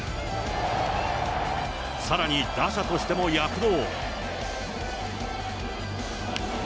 さらに打者としても躍動。